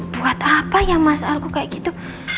buat apa ya masalku kaya gitu